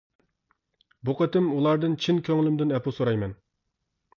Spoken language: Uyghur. بۇ قېتىم ئۇلاردىن چىن كۆڭلۈمدىن ئەپۇ سورايمەن.